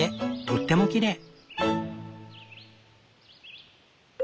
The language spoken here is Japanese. とってもきれい！